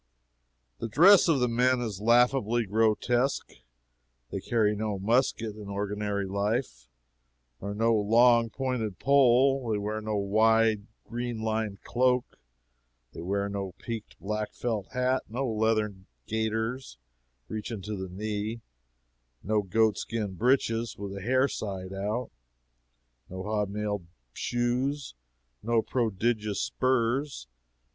The dress of the men is laughably grotesque. They carry no musket in ordinary life, nor no long pointed pole; they wear no wide green lined cloak; they wear no peaked black felt hat, no leathern gaiters reaching to the knee, no goat skin breeches with the hair side out, no hob nailed shoes, no prodigious spurs.